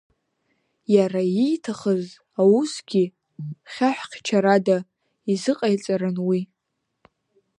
Иара ииҭахыз аусгьы хьаҳәхьачарада изыҟаиҵарын уи…